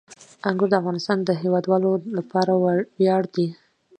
انګور د افغانستان د هیوادوالو لپاره ویاړ دی.